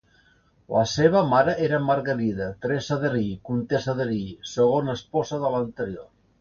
La seva mare era Margarida Teresa d'Erill, comtessa d'Erill, segona esposa de l'anterior.